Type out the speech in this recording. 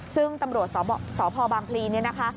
ซึ่งตำรวจสพบางพลีเนี่ยนะคะ